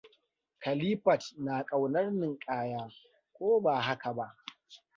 Khalifat na kaunar ninkaya, ko ba haka ba?